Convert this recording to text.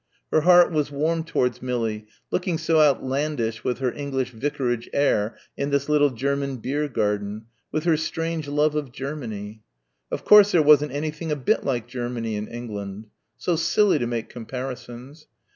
Her heart was warm towards Millie, looking so outlandish with her English vicarage air in this little German beer garden, with her strange love of Germany. Of course there wasn't anything a bit like Germany in England.... So silly to make comparisons.